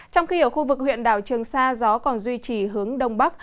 trong khi ở khu vực huyện đảo trường sa gió còn duy trì hướng đông bắc